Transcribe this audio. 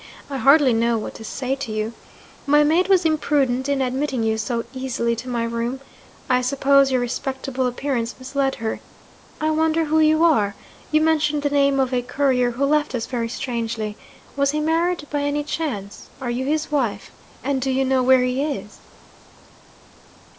I hardly know what to say to you. My maid was imprudent in admitting you so easily to my room. I suppose your respectable appearance misled her. I wonder who you are? You mentioned the name of a courier who left us very strangely. Was he married by any chance? Are you his wife? And do you know where he is?'